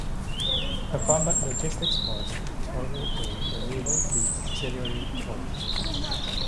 The Combat Logistics Force was formerly called the Naval Fleet Auxiliary Force.